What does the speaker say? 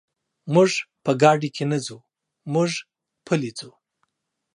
موږ په ګاډي کې نه ځو، موږ پلي ځو.